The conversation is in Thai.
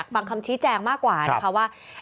บางคำชี้แจงมากกว่าว่า